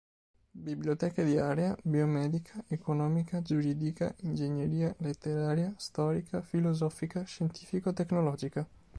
Biblioteche di area: biomedica; economica; giuridica; ingegneria; letteraria, storica, filosofica; scientifico tecnologica.